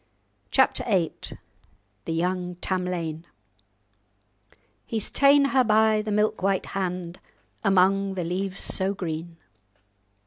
*Chapter VIII* *The Young Tamlane* "He's ta'en her by the milk white hand, Among the leaves so green."